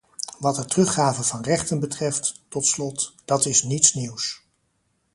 Wat de teruggave van rechten betreft, tot slot, dat is niets nieuws.